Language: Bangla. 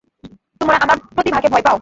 তোমরা আমার প্রতিভাকে ভয় পাও।